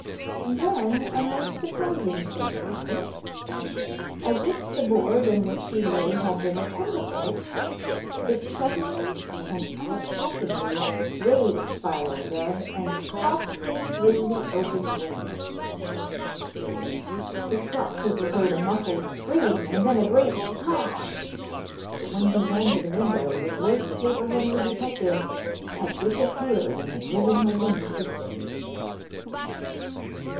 And then a most surprising thing happened. As if the board on which he lay had been a catapult, it suddenly and unexpectedly raised Philo Gubb and tossed him through the open window. The stock keeper heard a muffled scream and then a great splash, but when he ran to the window, the great paper hanger detective had disappeared in the bosom of the Mississippi.